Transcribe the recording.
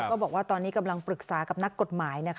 บอกว่าตอนนี้กำลังปรึกษากับนักกฎหมาย